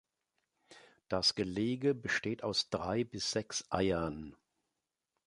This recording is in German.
Das Gelege besteht aus drei bis sechs Eiern.